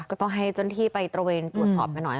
ก็ต้องให้เจ้าหน้าที่ไปตระเวนตรวจสอบกันหน่อย